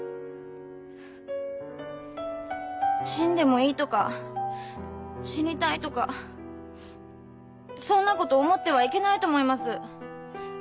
「死んでもいい」とか「死にたい」とかそんなこと思ってはいけないと思います。